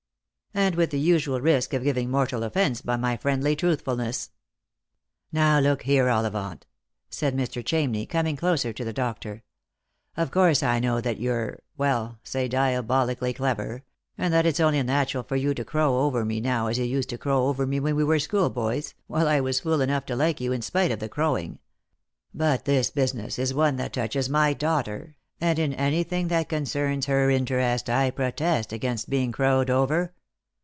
"And with the usual risk of giving mortal offence by my friendly truthfulness." " Now, look here, Ollivant," said Mr. Chamney, coming closer to the doctor. "Of course I know that you're — well, say diabolically clever — and that it's only natural for you to crow over me now as you used to crow over me when we were school boys, while I was fool enough to like you in spite of the crowing. But this business is one that touches my daughter, and in anything that coneerns her interest I protest against being crowed over.